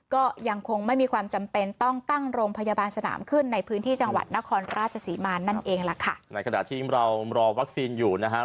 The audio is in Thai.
ก็ยังคงไม่มีความจำเป็นต้องตั้งโรงพยาบาลสนามขึ้นในพื้นที่จังหวัดนครราชศรีมานั่นเองล่ะค่ะในขณะที่เรารอวัคซีนอยู่นะฮะ